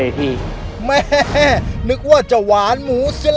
แล้ววันนี้ผมมีสิ่งหนึ่งนะครับเป็นตัวแทนกำลังใจจากผมเล็กน้อยครับ